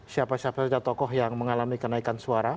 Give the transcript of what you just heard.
siapa siapa saja tokoh yang mengalami kenaikan suara